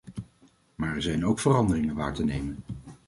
Maar er zijn ook veranderingen waar te nemen.